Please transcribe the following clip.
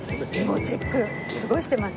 もうチェックすごいしてます。